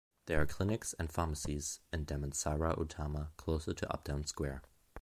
There are clinics and pharmacies in Damansara Utama closer to Uptown square.